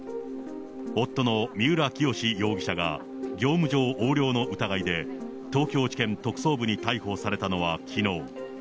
夫の三浦清志容疑者が業務上横領の疑いで、東京地検特捜部に逮捕されたのはきのう。